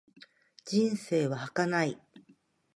人生は儚い。